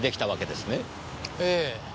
ええ。